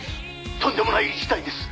とんでもない事態です！